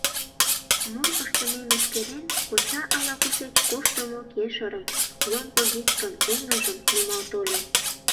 Мом ыштымем эскерен, коча ала-кушеч коштымо кешырым, ломбыгичкым, эҥыжым нумал тольо.